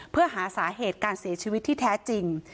เพื่อหาสาเหตุการเสียชีวิตที่แท้จริง